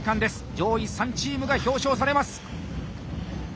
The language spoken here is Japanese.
上位３チームが表彰されます。